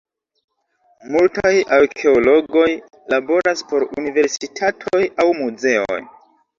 Multaj arkeologoj laboras por universitatoj aŭ muzeoj.